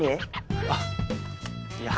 あっいや。